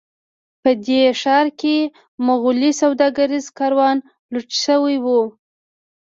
په دې ښار کې مغولي سوداګریز کاروان لوټ شوی و.